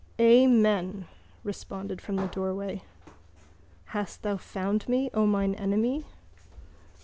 —Amen! was responded from the doorway. Hast thou found me, O mine enemy?